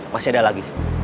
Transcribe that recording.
masih ada lagi